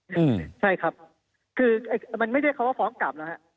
ใช่ครับคือมันไม่ได้คำว่าฟ้องกลับนะครับ